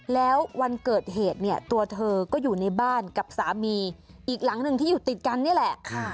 แล้ววันเกิดเหตุเนี่ยตัวเธอก็อยู่ในบ้านกับสามีอีกหลังหนึ่งที่อยู่ติดกันนี่แหละ